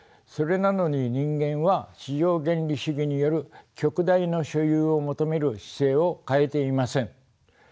それなのに人間は市場原理主義による極大の所有を求める姿勢を変えていません。